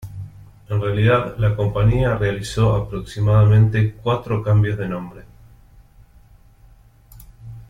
En realidad, la compañía realizó aproximadamente cuatro cambios de nombre.